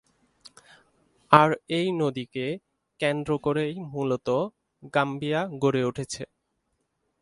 আর এই নদীকে কেন্দ্র করেই মূলত গাম্বিয়া গড়ে উঠেছে।